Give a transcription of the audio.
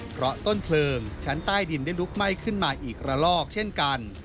เพราะต้นเพลิงชั้นใต้ดินได้ลุกไหม้ขึ้นมาอีกระลอกเช่นกัน